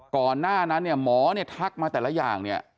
ก่อนหน้านั้นเนี่ยหมอเนี่ยทักมาแต่ละอย่างเนี่ย